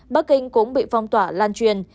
bắc kinh cũng bị phong tỏa lan truyền